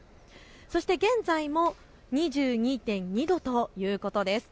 そして現在も２２．２度ということです。